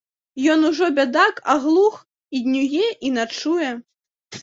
Ён ужо, бядак, аглух, і днюе і начуе.